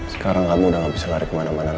sekarang kamu udah nggak bisa lari kemana mana lagi